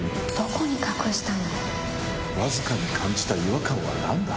わずかに感じた違和感は何だ？